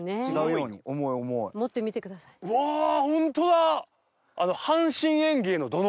うわホントだ！